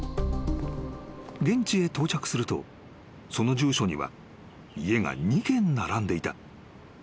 ［現地へ到着するとその住所には家が２軒並んでいた］